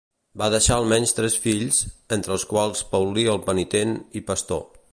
Va deixar almenys tres fills, entre els quals Paulí el Penitent i Pastor.